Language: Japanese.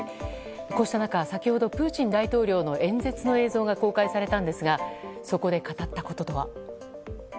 こうした中、先ほどプーチン大統領の演説の映像が公開されたんですがそこで語ったこととは。